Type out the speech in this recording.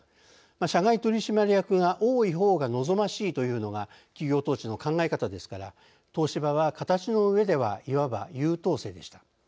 社外取締役が多い方が望ましいというのが企業統治の考え方ですから東芝は形のうえではいわば優等生でした。